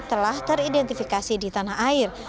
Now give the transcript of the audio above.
telah teridentifikasi di tanah air